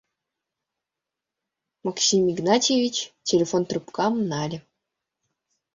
Максим Игнатьевич телефон трубкам нале.